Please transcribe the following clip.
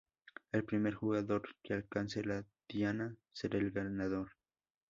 El primer jugador que alcance la diana será el ganador.